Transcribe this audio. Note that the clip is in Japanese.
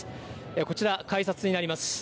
こちら改札になります。